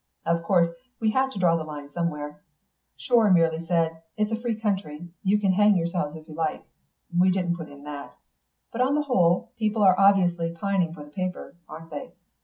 Of course we had to draw the line somewhere. Shore merely said, 'It's a free country. You can hang yourselves if you like.' We didn't put in that. But on the whole people are obviously pining for the paper, aren't they.